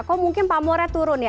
kok mungkin pamornya turun ya